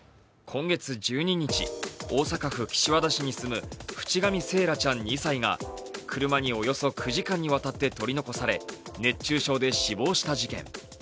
今月１２日、大阪府岸和田市に住む渕上惺愛ちゃん２歳が車におよそ９時間にわたって取り残され熱中症で死亡した事件。